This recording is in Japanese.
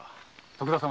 徳田様